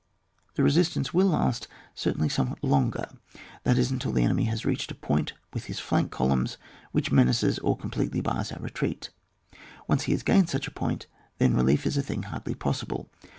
The resistance will last certainly somewhat longer, that is until the enemy has reached a point with his flank colunms which menaces or com pletely bars our retreat. Once he has gained such a point then relief is a thing hardly possible.